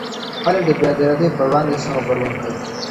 خلګ د بې عدالتۍ پر وړاندې څه غبرګون ښيي؟